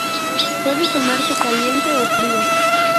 Puede tomarse caliente o frío.